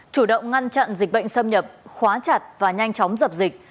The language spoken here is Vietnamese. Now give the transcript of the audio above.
chủ động ngăn chặn dịch bệnh xâm nhập khóa chặt và nhanh chóng dập dịch